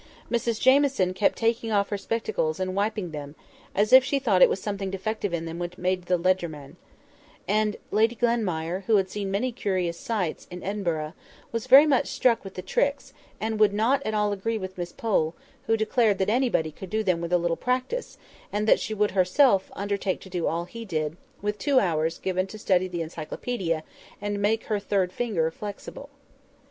Mrs Jamieson kept taking her spectacles off and wiping them, as if she thought it was something defective in them which made the legerdemain; and Lady Glenmire, who had seen many curious sights in Edinburgh, was very much struck with the tricks, and would not at all agree with Miss Pole, who declared that anybody could do them with a little practice, and that she would, herself, undertake to do all he did, with two hours given to study the Encyclopædia and make her third finger flexible.